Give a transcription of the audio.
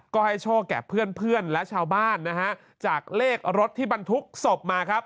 ก็ให้โชคแก่เพื่อนและชาวบ้านนะฮะจากเลขรถที่บรรทุกศพมาครับ